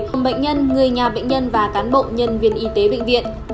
gồm bệnh nhân người nhà bệnh nhân và cán bộ nhân viên y tế bệnh viện